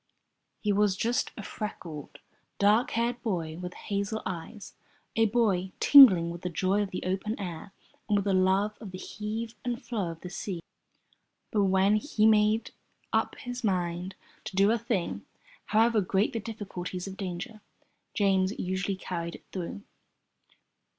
He was just a freckled, dark haired boy with hazel eyes, a boy tingling with the joy of the open air and with the love of the heave and flow of the sea. But when he made up his mind to do a thing, however great the difficulties or dangers, James usually carried it through.